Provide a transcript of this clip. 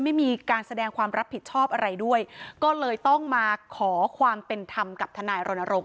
ไม่มีการแสดงความรับผิดชอบอะไรด้วยก็เลยต้องมาขอความเป็นธรรมกับทนายรณรงค